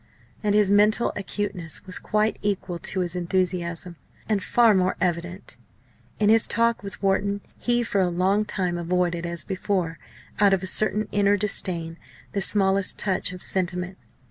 And his mental acuteness was quite equal to his enthusiasm, and far more evident. In his talk with Wharton, he for a long time avoided, as before, out of a certain inner disdain, the smallest touch of sentiment.